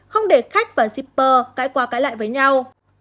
không để khách và shipper cãi qua cãi lại với nhau